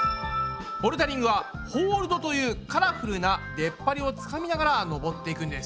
ボルダリングは「ホールド」というカラフルなでっぱりをつかみながら登っていくんです。